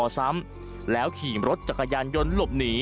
สวัสดีครับ